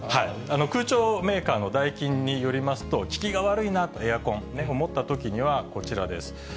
空調メーカーのダイキンによりますと、効きが悪いな、エアコン、と思ったときは、こちらです。